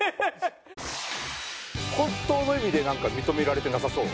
本当の意味でなんか認められてなさそう。